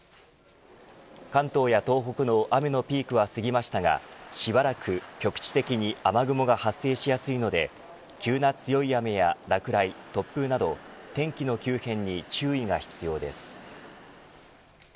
関東や東北の雨のピークは過ぎましたがしばらく局地的に雨雲が発生しやすいので急な強い雨や落雷突風など天気の急変に注意が必要です。